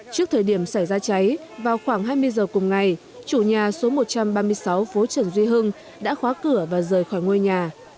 trước thời điểm xảy ra cháy vào khoảng hai mươi giờ cùng ngày chủ nhà số một trăm ba mươi sáu phố trần duy hưng đã khóa cửa và rời khỏi ngôi nhà